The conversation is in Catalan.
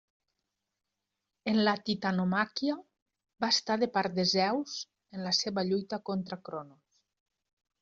En la Titanomàquia va estar de part de Zeus en la seva lluita contra Cronos.